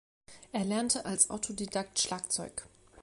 Er lernte als Autodidakt Schlagzeug.